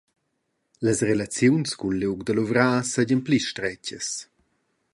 Las relaziuns cul liug da luvrar seigien pli stretgas.